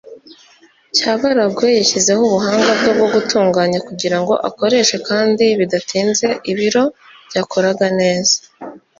Cyabarangwe yashyizeho ubuhanga bwe bwo gutunganya kugirango akoreshe kandi bidatinze ibiro byakoraga neza.